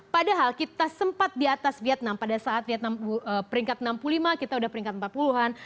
padahal kita sempat di atas vietnam pada saat vietnam peringkat enam puluh lima kita sudah peringkat empat puluh an